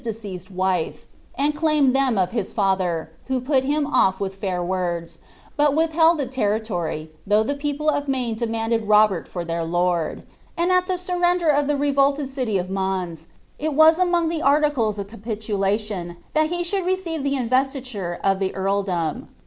<~ccsMd wile, and chtitned them of his father, who put him off with fair words, bnt withheld the territory, though the people of Maine demanded Robert for their lord ; and at the surrender of the revolted city of Mans, it ms amouff the articles of capitulation, that he should receive the in rcslitnre of the eurldom.